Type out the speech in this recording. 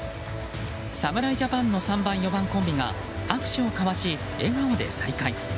侍ジャパンの３番４番コンビが握手を交わし、笑顔で再会。